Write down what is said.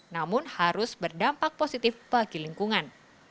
namun harus berdampak positif bagi lingkungan